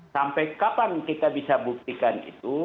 sampai kapan kita bisa buktikan itu